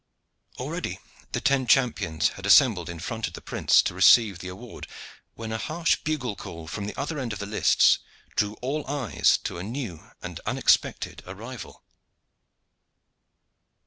Already the ten champions had assembled in front of the prince to receive his award, when a harsh bugle call from the further end of the lists drew all eyes to a new and unexpected arrival.